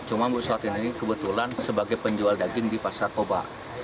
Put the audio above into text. cuma bu satina ini kebetulan sebagai penjual daging di pasar koba